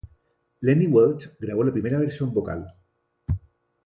Lenny Welch grabó la primera versión vocal.